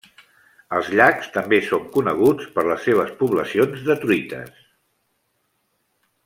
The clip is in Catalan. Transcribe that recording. Els llacs també són coneguts per les seves poblacions de truites.